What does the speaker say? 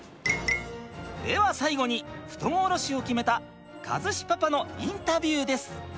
では最後に布団降ろしを決めた和志パパのインタビューです。